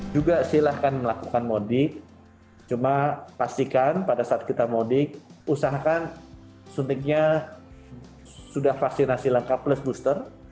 juga silahkan melakukan mudik cuma pastikan pada saat kita mudik usahakan suntiknya sudah vaksinasi lengkap plus booster